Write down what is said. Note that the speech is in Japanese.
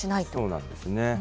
そうなんですね。